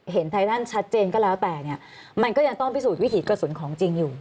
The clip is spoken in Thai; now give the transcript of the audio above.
ไททันชัดเจนก็แล้วแต่เนี่ยมันก็ยังต้องพิสูจนวิถีกระสุนของจริงอยู่